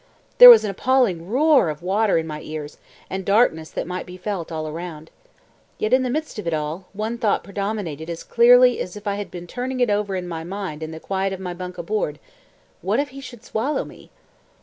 There was an appalling roar of water in my ears, and darkness that might be felt all around. Yet, in the midst of it all, one thought predominated as clearly as if I had been turning it over in my mind in the quiet of my bunk aboard "What if he should swallow me?"